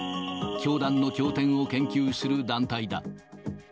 教団の経典を研究する団体だ。